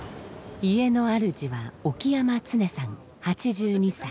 家のあるじは沖山常さん８２歳。